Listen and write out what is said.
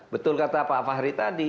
betul kata pak fahri tadi